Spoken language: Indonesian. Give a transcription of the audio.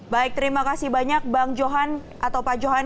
baik terima kasih banyak bang johan atau pak johan